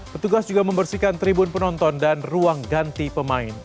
petugas juga membersihkan tribun penonton dan ruang ganti pemain